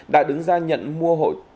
đã đứng ra nhận mua hội